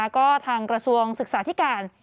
ก็ทางกระทรวงศึกษาธิการ